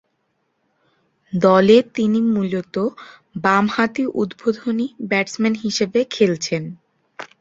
দলে তিনি মূলতঃ বামহাতি উদ্বোধনী ব্যাটসম্যান হিসেবে খেলছেন।